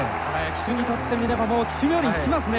騎手にとってみればもう騎手冥利に尽きますね。